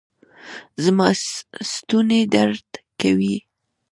زما ستونی درد کوي